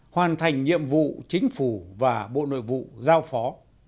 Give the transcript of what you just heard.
hoàn thành nhiệm vụ chính phủ và bộ nội vụ giao phó